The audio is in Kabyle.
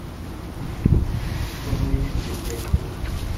Kenwi d imeddukal-iw.